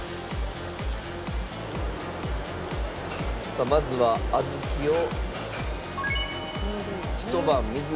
さあまずは小豆を。